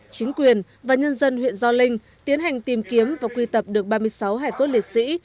chính quyền và nhân dân huyện gio linh tiến hành tìm kiếm và quy tập được ba mươi sáu hải cốt liệt sĩ